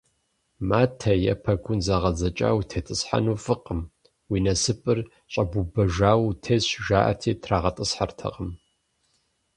Матэ е пэгун зэгъэдзэкӀа утетӀысхьэну фӀыкъым, уи насыпыр щӀэпӀубэжауэ утесщ, жаӀэрти трагъэтӀысхьэртэкъым.